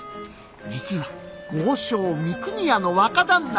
実は豪商三国屋の若旦那。